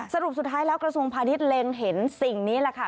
สรุปสุดท้ายแล้วกระทรวงพาณิชย์เล็งเห็นสิ่งนี้แหละค่ะ